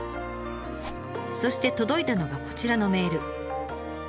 そして届いたのがこちらのメール。